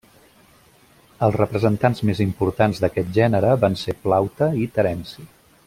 Els representants més importants d'aquest gènere van ser Plaute i Terenci.